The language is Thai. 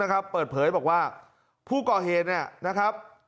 กล่อเหตุ